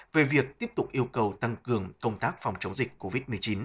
về việc tiếp tục yêu cầu tăng cường công tác phòng chống dịch covid một mươi chín